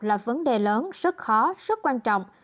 là vấn đề lớn rất khó rất quan trọng